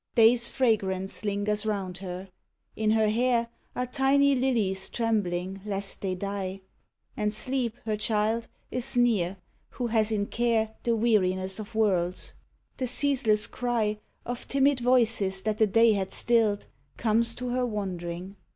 Day's fragrance lingers round her. In her hair Are tiny lilies trembling lest they die; And Sleep, her child, is near, who has in care The weariness of worlds. The ceaseless cry Of timid voices that the day had stilled Comes to her wandering.